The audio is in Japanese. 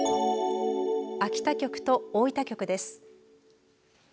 秋田局と大分局です。